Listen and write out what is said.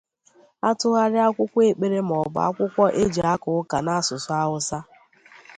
a tụgharịa akwụkwọ ekpere maọbụ akwụkwọ e ji aka ụka n'asụsụ Hausa